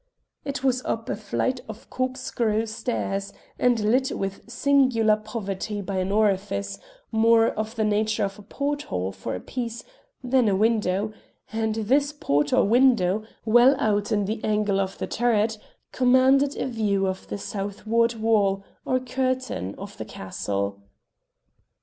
It was up a flight of corkscrew stairs, and lit with singular poverty by an orifice more of the nature of a porthole for a piece than a window, and this port or window, well out in the angle of the turret, commanded a view of the southward wall or curtain of the castle.